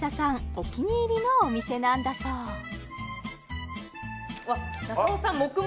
お気に入りのお店なんだそううわ中尾さん